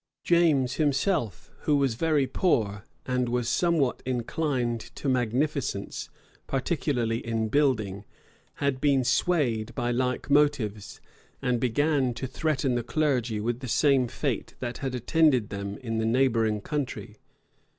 James himself, who was very poor, and was somewhat inclined to magnificence, particularly in building, had been swayed by like motives; and began to threaten the clergy with the same fate that had attended them in the neighboring country.